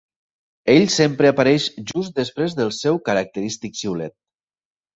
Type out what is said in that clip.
Ell sempre apareix just després del seu característic xiulet.